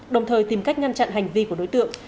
đồng thời tìm cách ngăn chặn hành vi của đối tượng